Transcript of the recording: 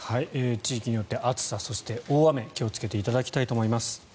地域によって暑さそして大雨に気をつけていただきたいと思います。